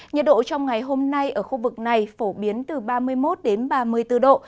nhiệt độ trong ngày hôm nay ở khu vực này phổ biến từ ba mươi một đến ba mươi bốn độ